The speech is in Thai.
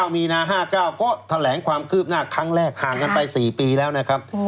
มีนา๕๙ก็แถลงความคืบหน้าครั้งแรกห่างกันไป๔ปีแล้วนะครับ